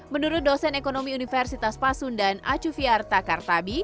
menurut dosen ekonomi universitas pasundan acuviar takartabi